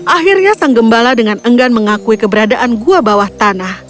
akhirnya sang gembala dengan enggan mengakui keberadaan gua bawah tanah